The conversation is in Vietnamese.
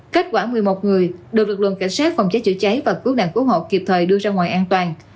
kết quả một mươi một người được lực lượng cảnh sát phòng cháy chữa cháy và cứu nạn cứu hộ kịp thời đưa ra ngoài an toàn